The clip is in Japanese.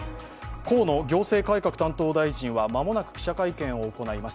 河野行政改革担当大臣は間もなく記者会見を行います。